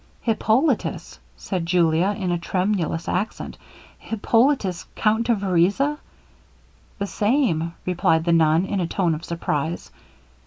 'Hippolitus!' said Julia, in a tremulous accent, 'Hippolitus, Count de Vereza!' 'The same,' replied the nun, in a tone of surprize.